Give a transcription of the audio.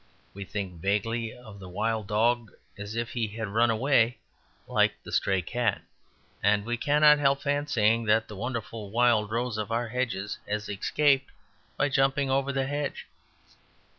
We think vaguely of the wild dog as if he had run away, like the stray cat. And we cannot help fancying that the wonderful wild rose of our hedges has escaped by jumping over the hedge.